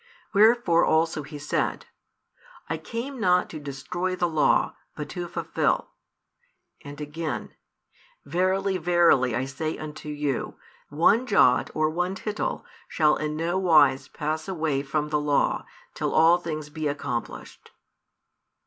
Wherefore also He said: I came not to destroy the Law, but to fulfil; and again: Verily, verily, I say unto you, one jot or one tittle shall in no wise pass away from the Law, till all things be accomplished.